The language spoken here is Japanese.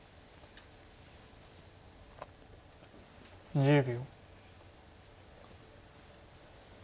１０秒。